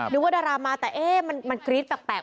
นึกว่าดารามาแต่มันกรี๊ดแปลก